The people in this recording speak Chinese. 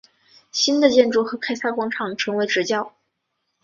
新的建筑和凯撒广场成为直角。